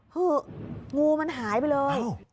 งูมันหายไปเลย